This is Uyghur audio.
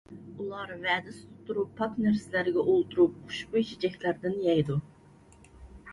ئۇلار ۋەدىسىدە تۇرۇپ، پاك نەرسىلەرگە ئولتۇرۇپ، خۇشبۇي چېچەكلەردىن يەيدۇ.